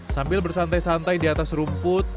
sambil bersantai santai diatas rumput